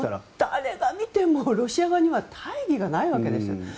誰が見てもロシア側には大義がないわけですよ。